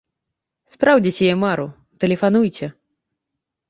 Спраўдзіце яе мару, тэлефануйце!